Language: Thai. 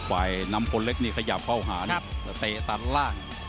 ไหนน้ำคนเล็กนี่ขยับเข้าหาแตะตัดล่าง